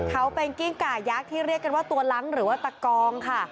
เขาเป็นกิ้งกายักษ์ที่เรียกกันว่าตัวล้างหรือว่าตะกองค่ะ